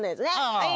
はい。